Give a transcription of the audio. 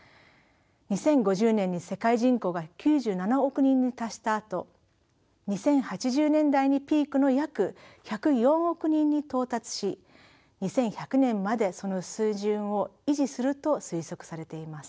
２０５０年に世界人口が９７億人に達したあと２０８０年代にピークの約１０４億人に到達し２１００年までその水準を維持すると推測されています。